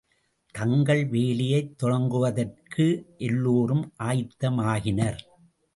தங்கள் வேலையைத் தொடங்குவதற்கு எல்லோரும் ஆயத்தமாகினர்.